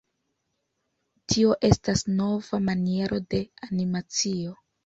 Tio estas nova maniero de animacio.